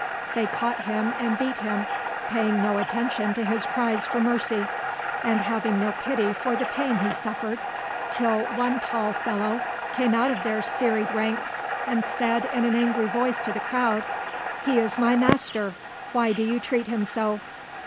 They caught him and beat him, paying no attention to his cries for mercy, and having no pity for the pain he suffered, till one tall fellow came out of their serried ranks and said in an angry voice to the crowd, "He is my master; why do you treat him so?"